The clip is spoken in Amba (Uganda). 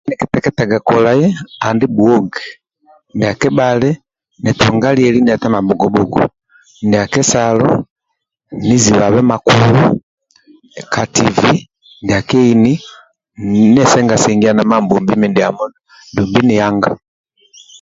Ndie kiteketaga kolai andi bhuogi ndia kebhali ni Tunga lieli ndia tama bhugo bhuogo ndia kesalo nizibabe makulu ndia ka TV ndia keini dumbi ni anga